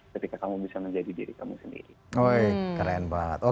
ketika kamu bisa menjadi diri kamu sendiri